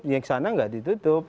di sana tidak ditutup